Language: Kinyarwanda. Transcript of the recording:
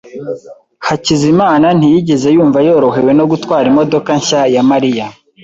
Hakizimana ntiyigeze yumva yorohewe no gutwara imodoka nshya ya Mariya.